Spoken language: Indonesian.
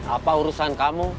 apa urusan kamu